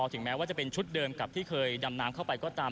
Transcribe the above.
ถึงแม้ว่าจะเป็นชุดเดิมกับที่เคยดำน้ำเข้าไปก็ตาม